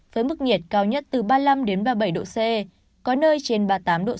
với mức nhiệt cao nhất từ ba mươi năm ba mươi bảy độ c có nơi trên ba mươi tám độ c